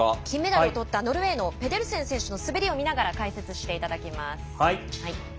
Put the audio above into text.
金メダルとったノルウェーのペデルセン選手の滑りを見ながら解説していただきます。